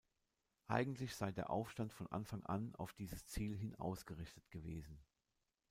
Eigentlich sei der Aufstand von Anfang an auf dieses Ziel hin ausgerichtet gewesen.